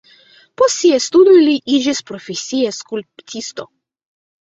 Post siaj studoj li iĝis profesia skulptisto.